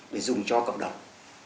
để dùng cho cộng đồng